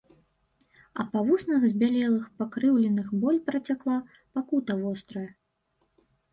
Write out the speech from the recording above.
А па вуснах збялелых, пакрыўленых боль працякла, пакута вострая.